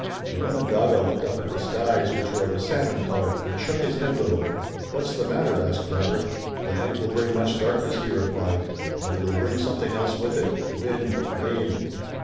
The Onondaga looked up at the skies, which were of a salmon color, and shook his head a little. "What's the matter?" asked Robert. "The night will bring much darkness," he replied, "but it will bring something else with it wind, rain."